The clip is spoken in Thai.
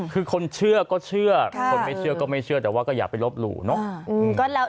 คือคนเชื่อก็เชื่อคนไม่เชื่อก็ไม่เชื่อแต่ว่าก็อย่าไปลบหลู่เนอะ